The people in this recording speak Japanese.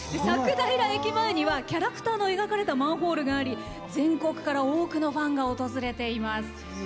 駅前にはキャラクターの描かれたマンホールがあり全国から多くのファンが訪れています。